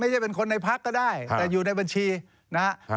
จะเป็นคนในพักก็ได้แต่อยู่ในบัญชีนะครับ